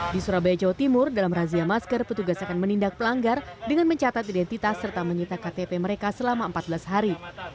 di surabaya jawa timur dalam razia masker petugas akan menindak pelanggar dengan mencatat identitas serta menyita ktp mereka selama empat belas hari